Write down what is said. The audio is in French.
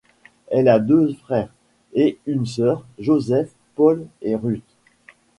Elle a deux frères, et une sœur, Joseph, Paul et Ruth.